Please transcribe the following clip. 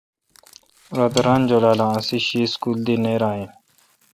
روتہ ران جولال اؘ اسی شی سکول دی نیر این۔